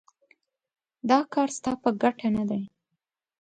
دا کار ستا په ګټه نه دی.